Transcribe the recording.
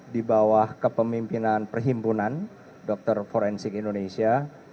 di bawah kepemimpinan perhimpunan dokter forensik indonesia